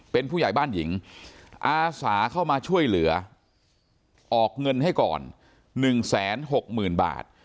เป็นผู้ใหญ่บ้านหญิงอาสาเข้ามาช่วยเหลือออกเงินให้ก่อน๑๖๐๐๐บาท